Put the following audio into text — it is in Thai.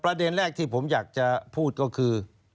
ประเด็นแรกที่ผมอยากจะพูดก็คือ